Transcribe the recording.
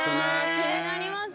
気になります。